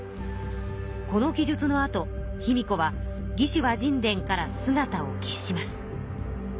この記述のあと卑弥呼は「魏志倭人伝」からすがたを消します。